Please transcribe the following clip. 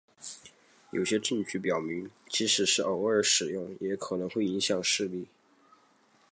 有些证据表明即便是偶尔使用也可能会影响视力。